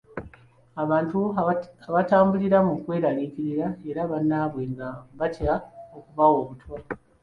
Abantu batambulira mu kweraliikirira eri bannaabwe nga batya okubawa obutwa.